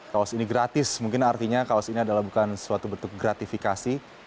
kaos ini gratis mungkin artinya kaos ini adalah bukan suatu bentuk gratifikasi